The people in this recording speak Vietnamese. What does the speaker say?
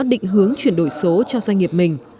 định hướng chuyển đổi số cho doanh nghiệp mình